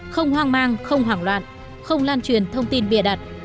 không hoang mang không hoảng loạn không lan truyền thông tin bịa đặt